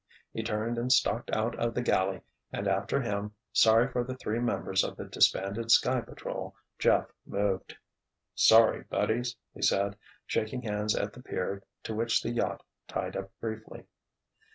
He turned and stalked out of the galley and after him, sorry for the three members of the disbanded Sky Patrol, Jeff moved. "Sorry, buddies," he said, shaking hands at the pier to which the yacht tied up briefly.